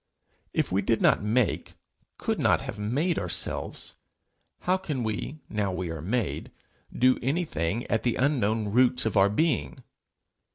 If we did not make, could not have made ourselves, how can we, now we are made, do anything at the unknown roots of our being?